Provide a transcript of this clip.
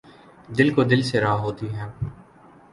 دِل کو دِل سے راہ ہوتی ہے